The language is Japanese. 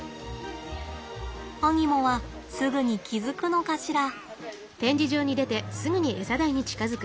アニモはすぐに気付くのかしら？